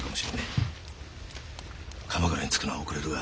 鎌倉に着くのは遅れるが。